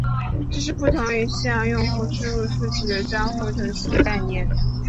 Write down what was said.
这是不同于需要用户输入数据的交互程序的概念。